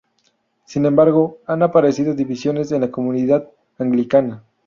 Sin embargo, han aparecido divisiones en la comunidad anglicana.